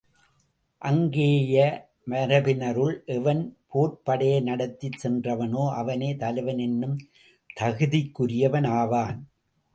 அக்கேய மரபினருள் எவன் போர்ப் படையை நடத்திச் சென்றவனோ, அவனே தலைவன் என்னும் தகுதிக்குரியவன் ஆவான்.